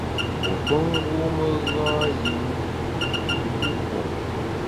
Pue pe ngûme ngâ-yinshu’ wupue.